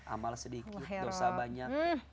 amal sedikit dosa banyak